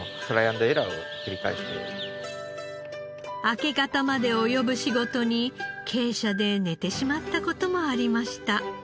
明け方まで及ぶ仕事に鶏舎で寝てしまった事もありました。